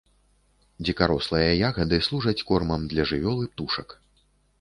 Дзікарослыя ягады служаць кормам для жывёл і птушак.